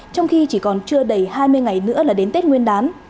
trong khi chỉ còn chưa đầy hai mươi ngày nữa là đến tết nguyên đán